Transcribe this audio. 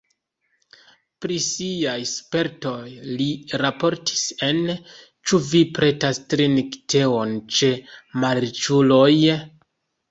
Pri siaj spertoj li raportis en "Ĉu vi pretas trinki teon ĉe malriĉuloj?".